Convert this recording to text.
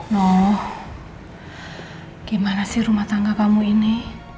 noh gimana sih rumah tangga kamu ini